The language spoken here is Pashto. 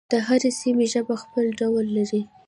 د هرې سیمې ژبه خپل ډول لري.